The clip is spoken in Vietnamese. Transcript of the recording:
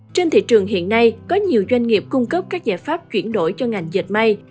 trên thị trường hiện nay có nhiều doanh nghiệp cung cấp các giải pháp chuyển đổi cho ngành dịch may